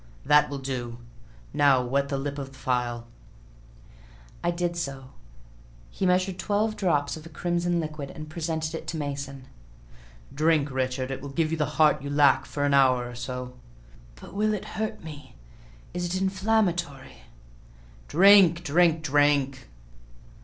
"That will do;—now wet the lip of the phial." I did so; he measured twelve drops of a crimson liquid, and presented it to Mason. "Drink, Richard: it will give you the heart you lack, for an hour or so." "But will it hurt me?—is it inflammatory?" "Drink! drink! drink!"